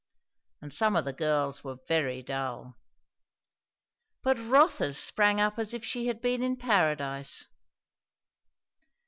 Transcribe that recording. And some of the girls were very dull! But Rotha's sprang up as if she had been in paradise.